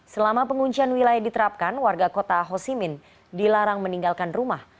selama penguncian wilayah diterapkan warga kota hosimin dilarang meninggalkan rumah